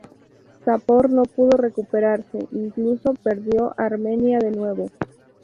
Sapor no pudo recuperarse, incluso perdió Armenia de nuevo.